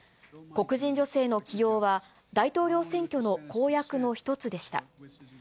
黒人女性の起用は、大統領選挙の公約の一つでした。